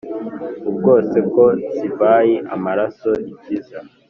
ubwose ko sivayi, amaraso ikiza